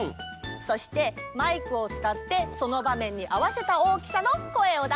そしてマイクをつかってそのばめんにあわせた大きさの声をだすんだ。